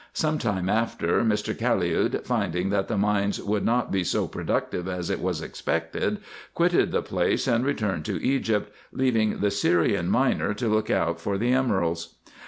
Some time after, Mr. Caliud, finding that the mines would not be so productive as it was expected, quitted the place and returned to Egypt, leaving the Syrian miner to look out for the emeralds.